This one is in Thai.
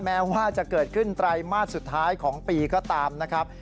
แม้ว่าจะเกิดขึ้นไตรมาสสุดท้ายของปีก็ตามนะครับ